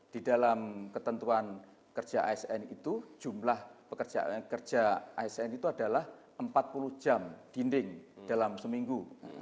di dalam ketentuan kerja asn itu jumlah pekerjaan kerja asn itu adalah empat puluh jam dinding dalam seminggu